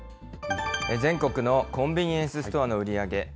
全国のコンビニエンスストアの売り上げ。